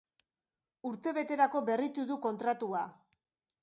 Urtebeterako berritu du kontratua.